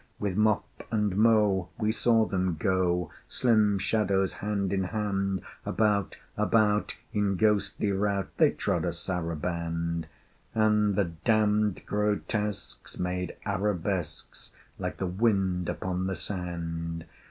With mop and mow, we saw them go, Slim shadows hand in hand: About, about, in ghostly rout They trod a saraband: And the damned grotesques made arabesques, Like the wind upon the sand!